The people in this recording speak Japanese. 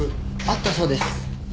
あったそうです。